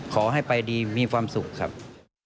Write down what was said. ขอให้ไปดีมีความสุขครับ